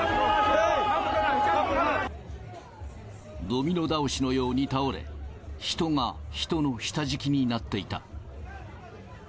ドミノ倒しのように倒れ、人が人の下敷きになっていた。